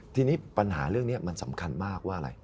ทีนี้ปัญหาเรื่องนี้มันสำคัญมากว่าอะไร